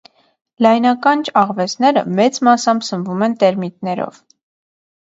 Լայնականջ աղվեսները մեծ մասամբ սնվում են տերմիտներով։